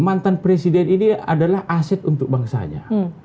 mantan presiden ini adalah aset untuk bangsanya